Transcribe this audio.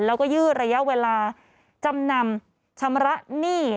แล้วก็ยืดระยะเวลาจำนำชำระหนี้